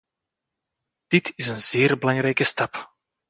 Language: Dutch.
Dit is een zeer belangrijke stap.